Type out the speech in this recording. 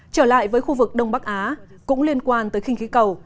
trở lại với khu vực đông bắc á cũng liên quan tới khinh khí cầu